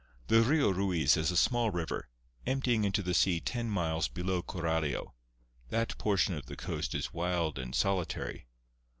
The Rio Ruiz is a small river, emptying into the sea ten miles below Coralio. That portion of the coast is wild and solitary.